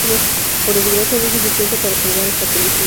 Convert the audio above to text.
Por desgracia, no es suficiente para salvar a esta película.